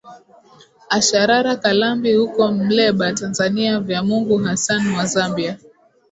asharara kalambi huko mleba tanzania vyamungu hassan wa zambia